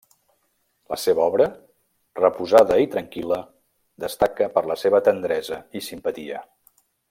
La seva obra, reposada i tranquil·la, destaca per la seva tendresa i simpatia.